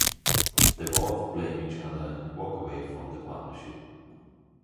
They both blame each other and walk away from their partnership.